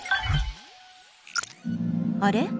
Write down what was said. あれ？